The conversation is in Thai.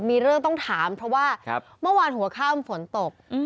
มีเรื่องต้องถามเพราะว่าเมื่อวานหัวข้ามฝนตก